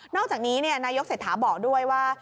อกจากนี้นายกเศรษฐาบอกด้วยว่า